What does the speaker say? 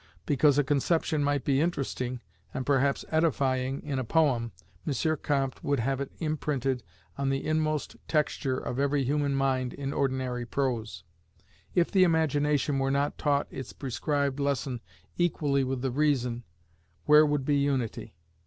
Because a conception might be interesting, and perhaps edifying, in a poem, M. Comte would have it imprinted on the inmost texture of every human mind in ordinary prose. If the imagination were not taught its prescribed lesson equally with the reason, where would be Unity?